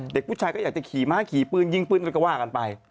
เด็กผู้ชายก็อยากจะขี่ม้าขี่ปืนยิงปืนอะไรก็ว่ากันไป